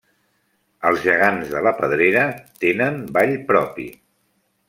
Els Gegants de la Pedrera tenen ball propi.